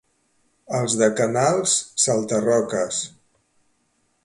Els de Canals, salta-roques.